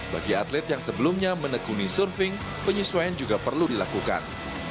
bagi atlet yang sebelumnya menekuni surfing penyesuaian juga perlu dilakukan